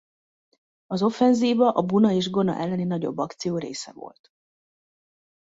Az offenzíva a Buna és Gona elleni nagyobb akció része volt.